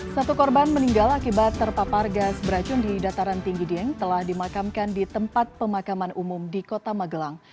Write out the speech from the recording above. satu korban meninggal akibat terpapar gas beracun di dataran tinggi dieng telah dimakamkan di tempat pemakaman umum di kota magelang